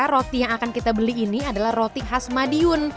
roti yang akan kita beli ini adalah roti khas madiun